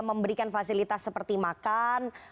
memberikan fasilitas seperti makan